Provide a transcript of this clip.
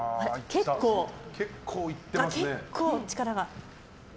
結構、力が。